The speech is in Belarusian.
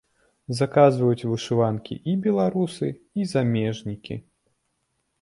Заказваюць вышыванкі і беларусы, і замежнікі.